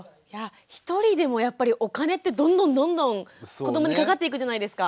１人でもやっぱりお金ってどんどんどんどん子どもにかかっていくじゃないですか。